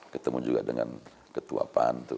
ketemu juga dengan ketua pan